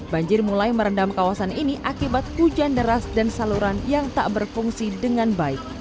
banjir mulai merendam kawasan ini akibat hujan deras dan saluran yang tak berfungsi dengan baik